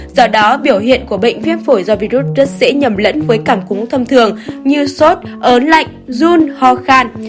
do đó biểu hiện của bệnh viêm phổi do virus rất dễ nhầm lẫn với cảm cúm thông thường như sốt ớn lạnh run ho khan